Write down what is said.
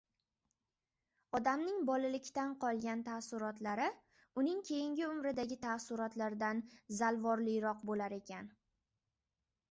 Odamning bolalikdan qolgan taassurotlari uning keyingi umridagi taassurotlardan zalvorliroq bo‘lar ekan.